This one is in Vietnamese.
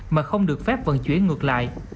mà không được phát vận chuyển ngược lại